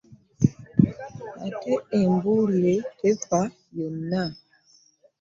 Ate embulirire tefa yonna .